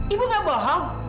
ibu tidak bohong